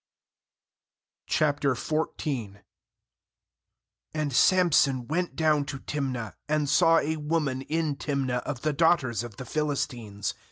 A And Samson went down to * Timnah, and saw a woman in Timnah of the daughters of the Philistines.